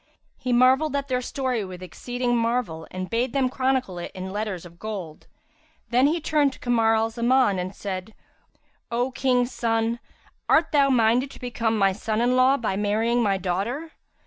He marvelled at their story with exceeding marvel and bade them chronicle it in letters of gold. Then he turned to Kamar al Zaman and said, "O King's son, art thou minded to become my son in law by marrying my daughter?"